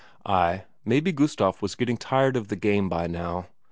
Ay, maybe Gustaf was getting tired of the game by now.